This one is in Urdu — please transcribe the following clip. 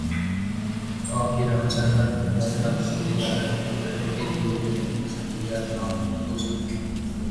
پاک ایران سرحد پر غیرقانونی تجارت ختم کرنے کیلئے بینکنگ سہولیات ناگزیر